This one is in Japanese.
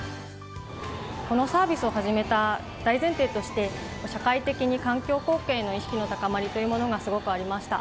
このサービスを始めた大前提として、社会的に環境貢献への意識の高まりというのがすごくありました。